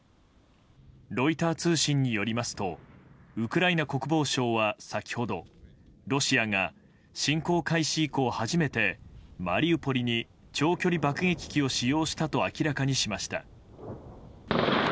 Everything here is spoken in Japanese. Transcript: ロイター通信によりますとウクライナ国防省は先ほどロシアが侵攻開始以降初めてマリウポリに長距離爆撃機を使用したと明らかにしました。